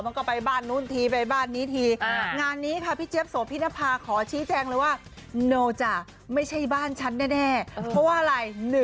มันก็ไปบ้านนู้นทีไปบ้านนี้ทีงานนี้ค่ะพี่เจฟโสพินภาขอชี้แจงเลยว่า